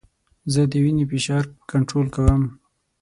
زه د وینې فشار کنټرول کوم.